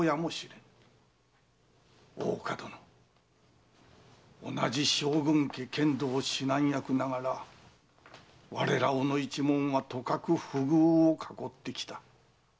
大岡殿同じ将軍家剣道指南役ながら我ら小野一門はとかく不遇をかこってきた。